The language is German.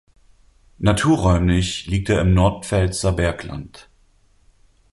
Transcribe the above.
Naturräumlich liegt er im Nordpfälzer Bergland.